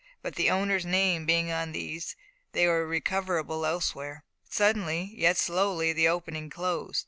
But owners' names being on these, they were recoverable elsewhere. Suddenly, yet slowly, the opening closed.